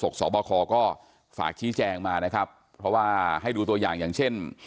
นี่นี่นี่นี่นี่